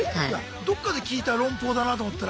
どっかで聞いた論法だなと思ったら。